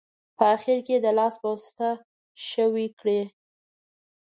په اخیر کې یې د لاس په واسطه ښوي کړئ.